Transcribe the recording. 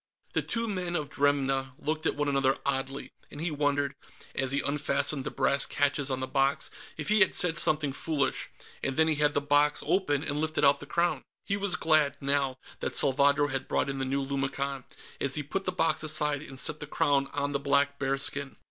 The two men of Dremna looked at one another oddly, and he wondered, as he unfastened the brass catches on the box, if he had said something foolish, and then he had the box open, and lifted out the Crown. He was glad, now, that Salvadro had brought in the new lumicon, as he put the box aside and set the Crown on the black bearskin.